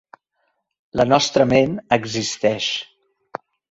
La nostra ment existeix.